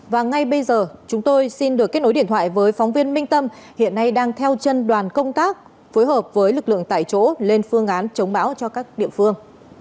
và ngay bây giờ chúng tôi xin được kết nối điện thoại với phóng viên minh tâm hiện nay đang theo chân đoàn công tác phối hợp với lực lượng tại chỗ lên phương án chống bão cho các địa phương